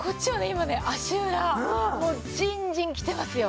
今ね足裏もうジンジンきてますよ。